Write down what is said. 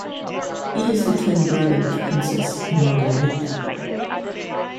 He is the twin brother of Princess Margaretha.